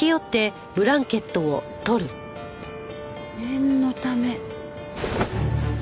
念のため。